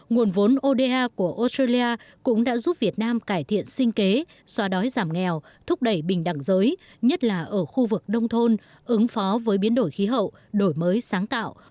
nguồn vốn oda của australia cũng đã giúp việt nam cải thiện sinh kế xóa đói giảm nghèo thúc đẩy bình đẳng giới nhất là ở khu vực đông thôn